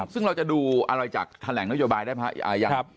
ซึ่งเราจะดูอะไรจากแถลงนโยบายได้ไหม